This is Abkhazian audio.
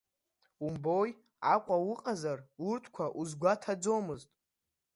Умбои, Аҟәа уҟазар, урҭқәа узгәаҭаӡомызт.